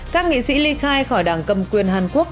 các nghị sĩ ly khai khỏi đảng cầm quyền hàn quốc